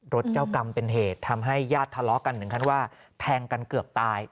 เจ้ากรรมเป็นเหตุทำให้ญาติทะเลาะกันถึงขั้นว่าแทงกันเกือบตาย